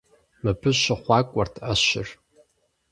Мыбы щыхъуакӀуэрт Ӏэщыр.